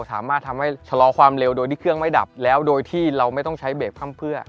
สามารถทำให้ชะลอความเร็วโดยที่เครื่องไม่ดับแล้วโดยที่เราไม่ต้องใช้เบรกพร่ำเพื่อ